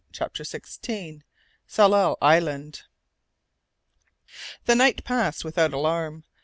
CHAPTER XVI. TSALAL ISLAND. The night passed without alarm.